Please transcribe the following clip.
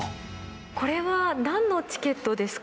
これはなんのチケットですか？